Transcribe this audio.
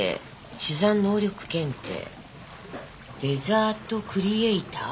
・珠算能力検定・デザートクリエイター？